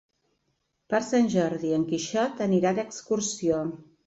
Per Sant Jordi en Quixot anirà d'excursió.